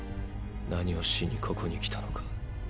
何をしにここに来たのか？